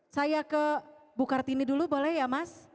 saya ke bukartini dulu boleh ya mas